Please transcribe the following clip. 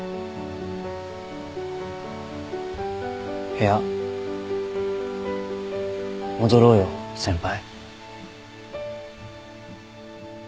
部屋戻ろうよ先輩。